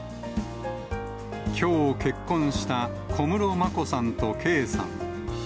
きょう結婚した、小室眞子さんと圭さん。